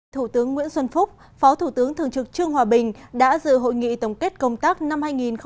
thủ tướng nguyễn xuân phúc phó thủ tướng thường trực trương hòa bình đã dự hội nghị tổng kết công tác năm hai nghìn một mươi chín